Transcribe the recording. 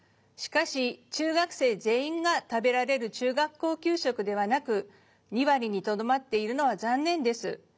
しかし中学生全員が食べられる中学校給食ではなく２割にとどまっているのは残念です。